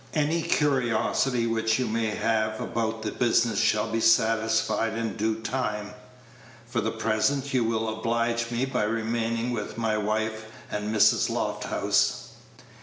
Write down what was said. "Any curiosity which you may have about the business shall be satisfied in due time. For the present, you will oblige me by remaining with my wife and Mrs. Lofthouse."